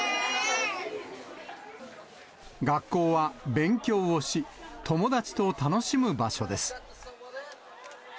学校は勉強をし、友達と楽しむ場所です。